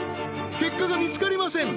結果が見つかりません